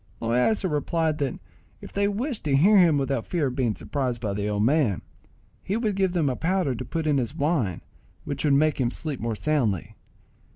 Loaysa replied that if they wished to hear him without fear of being surprised by the old man, he would give them a powder to put in his wine, which would make him sleep more soundly.